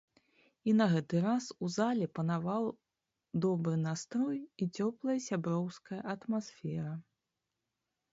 І на гэты раз у зале панаваў добры настрой і цёплая сяброўская атмасфера.